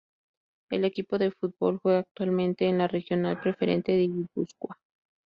El equipo de fútbol juega actualmente en la Regional Preferente de Gipuzkoa.